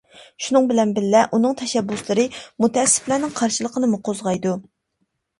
شۇنىڭ بىلەن بىللە، ئۇنىڭ تەشەببۇسلىرى مۇتەئەسسىپلەرنىڭ قارشىلىقىنىمۇ قوزغايدۇ.